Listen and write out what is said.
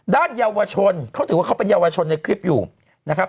เยาวชนเขาถือว่าเขาเป็นเยาวชนในคลิปอยู่นะครับ